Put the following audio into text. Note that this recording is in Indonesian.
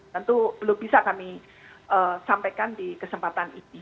tentu belum bisa kami sampaikan di kesempatan ini